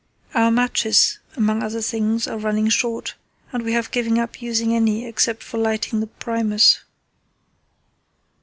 Our matches, among other things, are running short, and we have given up using any except for lighting the Primus."